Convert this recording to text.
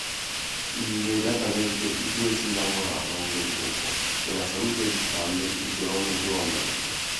Immediatamente i due si innamorarono del luogo e la salute di Stanley migliorò notevolmente.